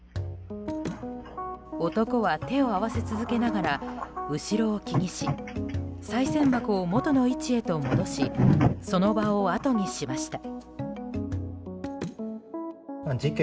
男は手を合わせ続けながら後ろを気にしさい銭箱を元の位置へと戻しその場をあとにしました。